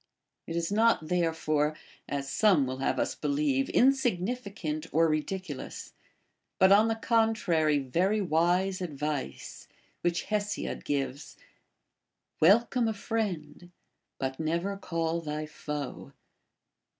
It is not therefore (as some will have us believe) insignificant or ridiculous, but on the contrary very wise advice, which Hesiod gives, — Welcome a friend, but never call thy foe.